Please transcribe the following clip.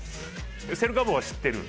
セルカ棒は知ってる？